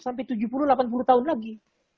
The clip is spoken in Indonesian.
sampai tujuh puluh delapan puluh tahun lagi